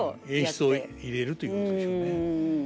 演出を入れるということでしょうね。